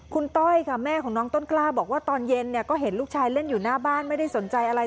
คุณต้อยค่ะแม่ของน้องต้นกล้าบอกว่าตอนเย็นก็เห็นลูกชายเล่นอยู่หน้าบ้านไม่ได้สนใจอะไร